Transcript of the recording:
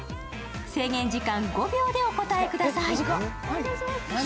制限時間５秒でお答えください。